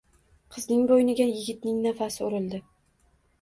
Qizning boʻyniga yigitning nafasi urildi